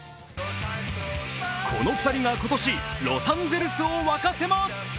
この２人が今年、ロサンゼルスを湧かせます。